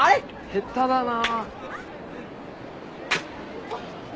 下手だなぁ。